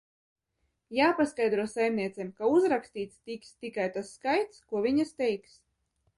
Jāpaskaidro saimniecēm, ka uzrakstīts tiks tikai tas skaits, ko viņas teiks.